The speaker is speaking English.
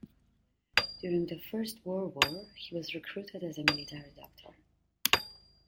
During the First World War, he was recruited as a military doctor.